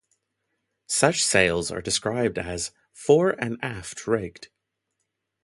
Such sails are described as fore-and-aft rigged.